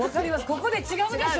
ここで違うでしょ？